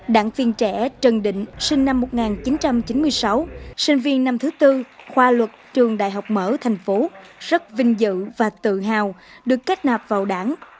đảng viên trẻ trần định sinh năm một nghìn chín trăm chín mươi sáu sinh viên năm thứ tư khoa luật trường đại học mở thành phố rất vinh dự và tự hào được kết nạp vào đảng